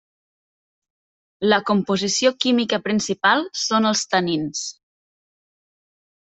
La composició química principal són els tanins.